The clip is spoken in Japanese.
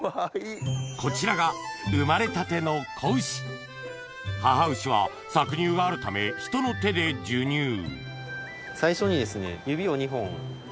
こちらが生まれたての子牛母牛は搾乳があるため人の手で授乳最初にですね。